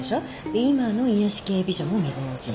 で今の癒やし系美女も未亡人。